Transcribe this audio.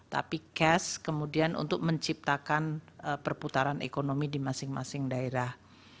tapi cash kemudian untuk menciptakan perputaran ekonomi di masing masing daerah